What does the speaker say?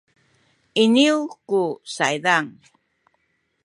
iniyu ku saydan